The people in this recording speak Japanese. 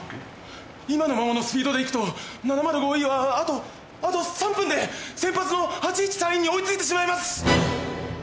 今のままのスピードで行くと７０５Ｅはあとあと３分で先発の８１３Ｅに追いついてしまいます！